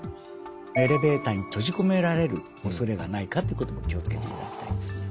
エレベーターに閉じ込められるおそれがないかってことも気を付けていただきたいんです。